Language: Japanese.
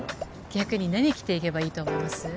逆に何着ていけばいいと思います？